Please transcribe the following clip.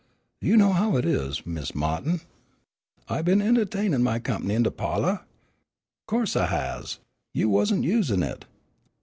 You know how it is, Mis' Ma'tin. "I been en'tainin' my comp'ny in de pa'lor? Co'se I has; you wasn't usin' it.